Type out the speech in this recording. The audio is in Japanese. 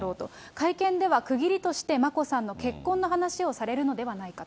会見では区切りとして眞子さんの結婚の話をされるのではないかと。